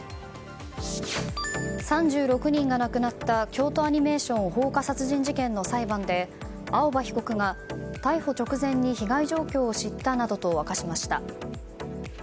３６人が亡くなった京都アニメーション放火殺人事件の裁判で青葉被告が逮捕直前に被害状況を知ったなどと明かしました。